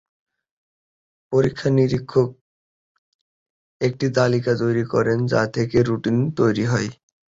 পরীক্ষা-নিরীক্ষক একটি তালিকা তৈরি করেন যার থেকে রুটিন তৈরি হয়।